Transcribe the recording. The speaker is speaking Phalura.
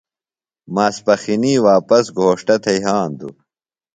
ماسپخِنی واپس گھوݜٹہ تھےۡ یھاندُوۡ۔